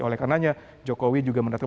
oleh karenanya jokowi juga mendatangi